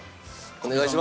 お願いします。